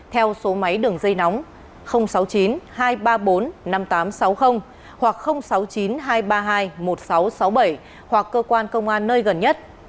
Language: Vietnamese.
theo số máy đường dây nóng sáu mươi chín hai trăm ba mươi bốn năm nghìn tám trăm sáu mươi hoặc sáu mươi chín hai trăm ba mươi hai một nghìn sáu trăm sáu mươi bảy hoặc cơ quan công an nơi gần nhất